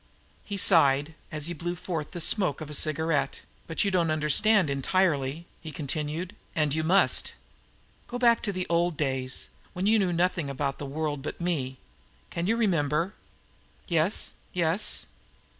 He sighed, as he blew forth the smoke of a cigarette. "But you don't understand entirely," he continued, "and you must. Go back to the old days, when you knew nothing of the world but me. Can you remember?" "Yes, yes!"